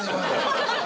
ハハハ！